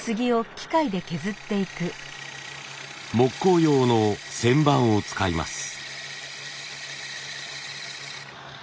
木工用の旋盤を使います。